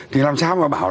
thì làm sao mà bảo